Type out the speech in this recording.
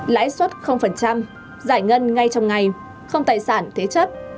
lãi suất giải ngân ngay trong ngày không tài sản thế chấp